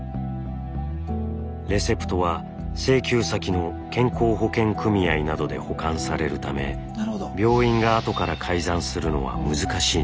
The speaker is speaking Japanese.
レセプトは請求先の健康保険組合などで保管されるため病院が後から改ざんするのは難しいのです。